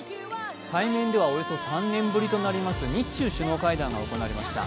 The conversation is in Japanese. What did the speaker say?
対面ではおよそ３年ぶりとなる日中首脳会談が行われました。